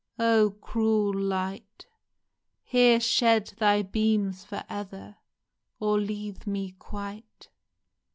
Oh, cruel Light ! Here shed thy beams for ever, Or leave me quite